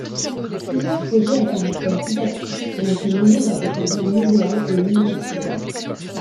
Plusieurs projets à caractère didactiques ont été menés dans sa carrière muséale et universitaire.